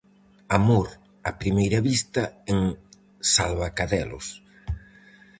Amor a primeira vista en Salvacadelos.